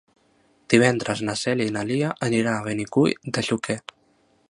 Divendres na Cèlia i na Lia aniran a Benicull de Xúquer.